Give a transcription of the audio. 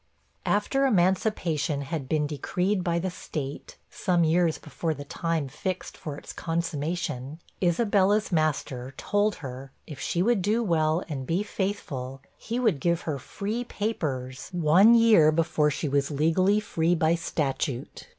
After emancipation had been decreed by the State, some years before the time fixed for its consummation, Isabella's master told her if she would do well, and be faithful, he would give her 'free papers,' one year before she was legally free by statute.